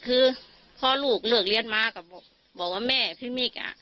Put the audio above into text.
คือพ่อลูกเลือกเรียนม้ากับแม่พี่มิก